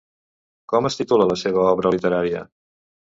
Com es titula la seva obra literària?